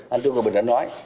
anh trung và bình đã nói